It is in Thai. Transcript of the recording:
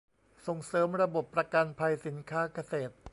ส่งเสริมระบบประกันภัยสินค้าเกษตร